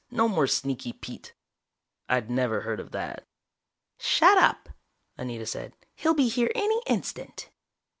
No more Sneaky Pete." I'd never heard of that. "Shut up!" Anita said. "He'll be here any instant."